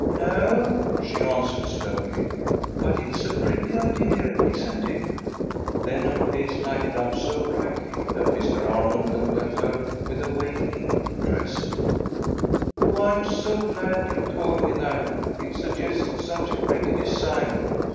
"No," she answered, slowly, "but it's a pretty idea, isn't it?" Then her face lighted up so brightly that Mr. Armond looked at her with awakening interest. "Oh, I'm so glad you told me that! It suggests such a pretty design.